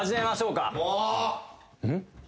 うん？